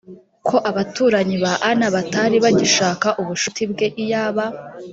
ko abaturanyi ba anna batari bagishaka ubushuti bwe iyaba